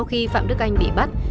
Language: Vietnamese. kiểm tra ngay